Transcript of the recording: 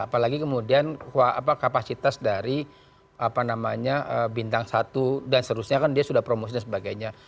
apalagi kemudian kapasitas dari bintang satu dan seterusnya kan dia sudah promosi dan sebagainya